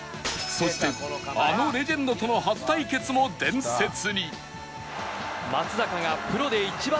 そしてあのレジェンドとの初対決も伝説に